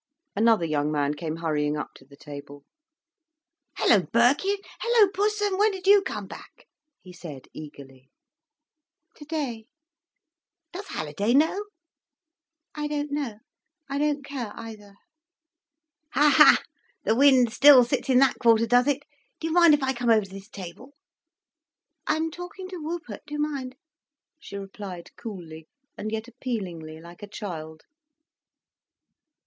Another young man came hurrying up to the table. "Hallo Birkin! Hallo Pussum, when did you come back?" he said eagerly. "Today." "Does Halliday know?" "I don't know. I don't care either." "Ha ha! The wind still sits in that quarter, does it? Do you mind if I come over to this table?" "I'm talking to Wupert, do you mind?" she replied, coolly and yet appealingly, like a child.